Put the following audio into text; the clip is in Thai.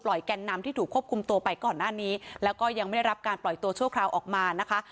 แก่นนำที่ถูกควบคุมตัวไปก่อนหน้านี้แล้วก็ยังไม่ได้รับการปล่อยตัวชั่วคราวออกมานะคะ